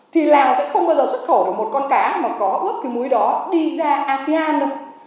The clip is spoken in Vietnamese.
thì lào sẽ không bao giờ xuất khẩu được một con cá mà có ướp cái muối đó đi ra asean đâu